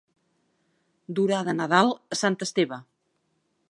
Durar de Nadal a Sant Esteve.